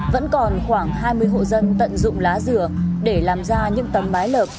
vẫn còn khoảng hai mươi hộ dân tận dụng lá dừa để làm ra những tấm mái lợp